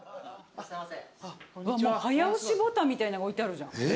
もう早押しボタンみたいのが置いてあるじゃん。